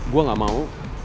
gue gak mau